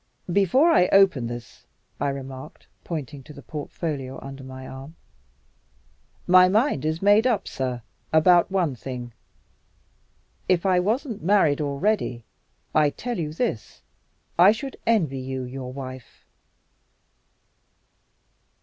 "Before I open this," I remarked, pointing to the portfolio under my arm, "my mind is made up, sir, about one thing. If I wasn't married already, I tell you this I should envy you your wife."